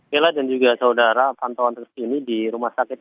bella dan juga saudara pantauan terkini di rumah sakit